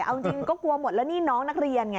เอาจริงก็กลัวหมดแล้วนี่น้องนักเรียนไง